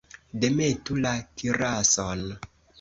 Demetu la kirason!